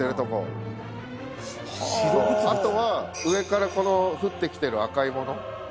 あとは上から降ってきてる赤いもの。